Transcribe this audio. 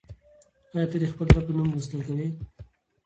آیا ته د خپل رب په نوم لوستل کوې؟